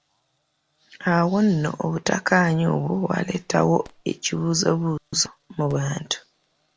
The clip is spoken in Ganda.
Awo nno obutakkaanya obwo bwaleetawo ekibuzoobuzo mu bantu.